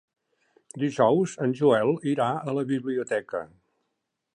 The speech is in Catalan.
Dijous en Joel irà a la biblioteca.